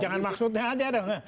jangan maksudnya aja dong